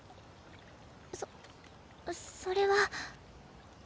そそれは。